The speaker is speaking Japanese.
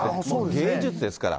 芸術ですから。